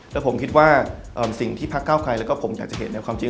แล้วผมคิดว่าสิ่งที่พักเก้าไกรแล้วก็ผมอยากจะเห็นในความจริง